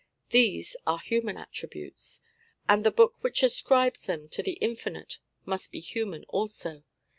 These are human attributes; and the book which ascribes them to the Infinite must be human also.